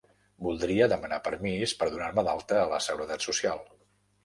Voldria demanar permís per donar-me d'alta a la seguretat social.